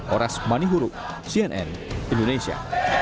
oras mani huru cnn indonesia